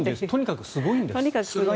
とにかくすごいんです。